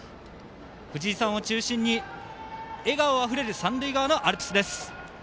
藤井さんを中心に笑顔あふれる三塁側のアルプスです。